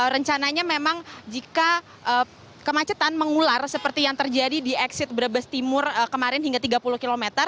rencananya memang jika kemacetan mengular seperti yang terjadi di exit brebes timur kemarin hingga tiga puluh km